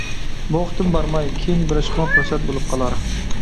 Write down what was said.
بۇ قېتىم بارماي، كىيىن بېرىشقىمۇ پۇرسەت بولۇپ قالار.